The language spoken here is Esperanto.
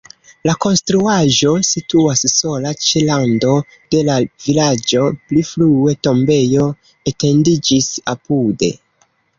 La konstruaĵo situas sola ĉe rando de la vilaĝo, pli frue tombejo etendiĝis apude.